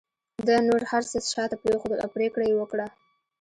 ده نور هر څه شاته پرېښودل او پرېکړه یې وکړه